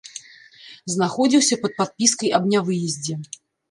Знаходзіўся пад падпіскай аб нявыездзе.